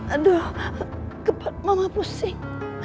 aduh aduh kebetul mama pusing